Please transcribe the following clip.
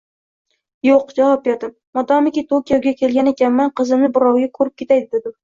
Yo`q, javob berdim, modomiki Tokioga kelgan ekanman, qizimni birrovga ko`rib ketay devdim